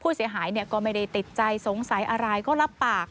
ผู้เสียหายก็ไม่ได้ติดใจสงสัยอะไรก็รับปาก